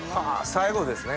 最後ですね